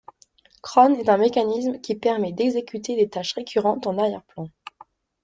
Cron est un mécanisme qui permet d'exécuter des tâches récurrentes en arrière-plan.